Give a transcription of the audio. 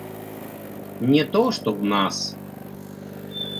Не то што ў нас.